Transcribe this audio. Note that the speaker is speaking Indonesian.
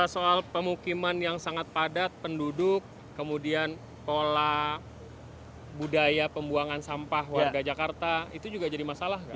soal pemukiman yang sangat padat penduduk kemudian pola budaya pembuangan sampah warga jakarta itu juga jadi masalah nggak